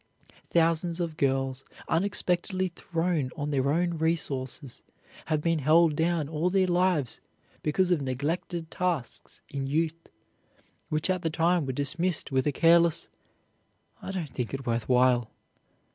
Thousands of girls unexpectedly thrown on their own resources have been held down all their lives because of neglected tasks in youth, which at the time were dismissed with a careless "I don't think it worth while."